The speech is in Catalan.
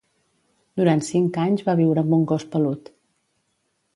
Durant cinc anys va viure amb un gos pelut.